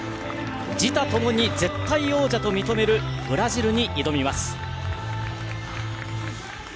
自他ともに絶対王者と認めるブラジルに挑みます。